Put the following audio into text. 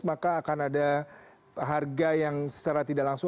maka akan ada harga yang secara tidak langsung